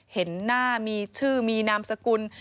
เห็นหน้ามีชื่อมีนามสกุล